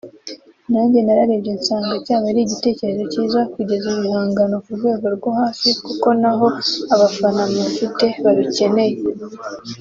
nanjye nararebye nsanga cyaba ari igitekerezo cyiza kugeza ibihangano ku rwego rwo hasi kuko naho abafana mpafite babikeneye